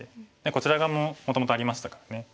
こちら側ももともとありましたからね。